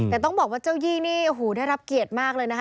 แต่ต้องบอกว่าเจ้ายี่นี่โอ้โหได้รับเกียรติมากเลยนะคะ